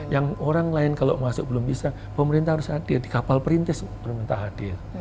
yang orang lain kalau masuk belum bisa pemerintah harus hadir di kapal perintis pemerintah hadir